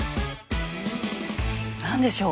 何でしょう？